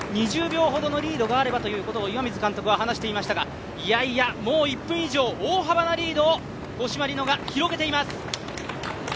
２０秒ほどのリードがあればということを岩水監督が話していましたがいやいや、もう１分以上大幅なリードを五島莉乃が広げています。